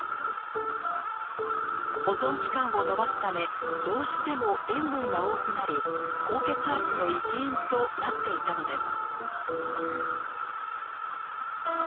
保存期間を延ばすためどうしても塩分が多くなり高血圧の一因となっていたのです。